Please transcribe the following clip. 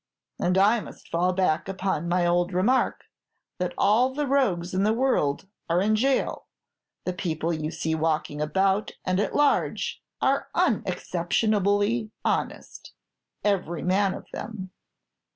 "And I must fall back upon my old remark, that all the rogues in the world are in jail; the people you see walking about and at large are unexceptionably honest, every man of them.